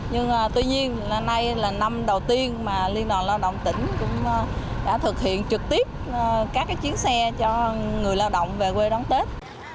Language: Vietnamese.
nhưng tuy nhiên nay là năm đầu tiên mà liên đoàn lao động tỉnh cũng đã thực hiện trực tiếp các chiến xe cho người lao động về quê đón tết